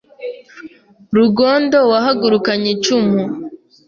Rugondo wahagurukanye icumu